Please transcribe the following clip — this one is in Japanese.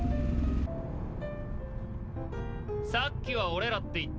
さっきは“俺ら”って言ったけど